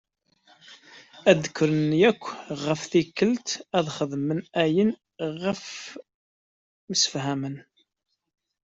Ad kren akk ɣef tikelt ad xedmen ayen i ɣef msefhamen.